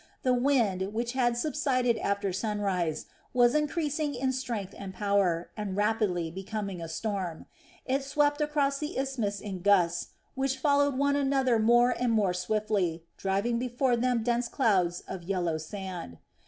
The wind, which had subsided after sunrise, was increasing in strength and power, and rapidly becoming a storm. It swept across the isthmus in gusts, which followed one another more and more swiftly, driving before them dense clouds of yellow sand.